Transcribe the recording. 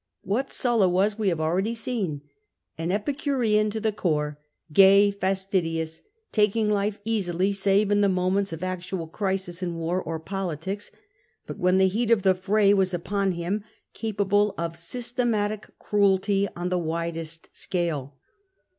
What Sulla was we have already seen — an Epicurean to the core, gay, fastidious, taking life easily save in the moments of actual crisis in war or politics, — but when the heat of the fray was upon him capable of systematic cruelty on the widest scale.